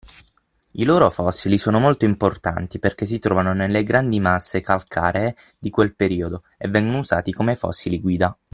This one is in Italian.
I loro fossili sono molto importanti perché si trovano nelle grandi masse calcaree di quel periodo e vengono usati come fossili guida.